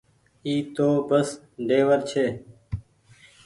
اي تو بس ڍيور ڇي۔